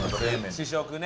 試食ね